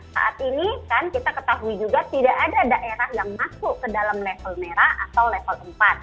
saat ini kan kita ketahui juga tidak ada daerah yang masuk ke dalam level merah atau level empat